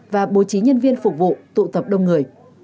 và bố trí nhân viên phục vụ tụ tập đông người